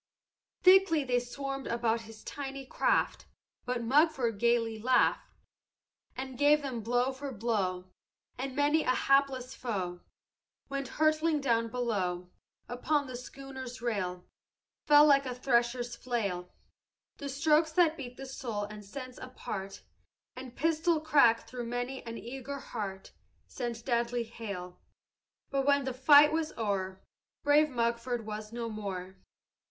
"Thickly they swarmed about his tiny craft; But Mugford gayly laughed And gave them blow for blow; And many a hapless foe Went hurtling down below. Upon the schooner's rail Fell, like a thresher's flail, The strokes that beat the soul and sense apart, And pistol crack through many an eager heart Sent deadly hail. But when the fight was o'er, Brave Mugford was no more.